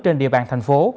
trên địa bàn thành phố